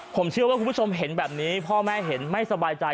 ผมเชื่อว่าคุณผู้ชมเห็นแบบนี้พ่อแม่เห็นไม่สบายใจ